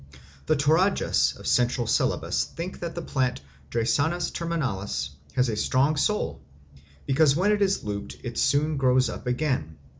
The Toradjas of Central Celebes think that the plant Dracaena terminalis has a strong soul, because when it is lopped, it soon grows up again.